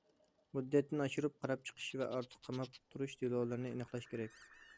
مۇددەتتىن ئاشۇرۇپ قاراپ چىقىش ۋە ئارتۇق قاماپ تۇرۇش دېلولىرىنى ئېنىقلاش كېرەك.